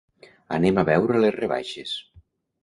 Anem a veure les rebaixes.